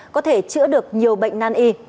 chữa được nhiều bệnh nan y